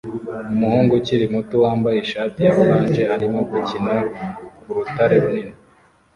Umuhungu ukiri muto wambaye ishati ya orange arimo gukina ku rutare runini